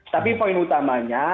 tapi poin utamanya